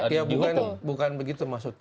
iya bukan begitu maksudnya